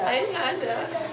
ayahnya tidak ada